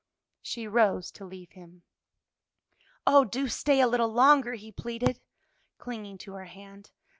She rose to leave him. "Oh, do stay a little longer!" he pleaded, clinging to her hand.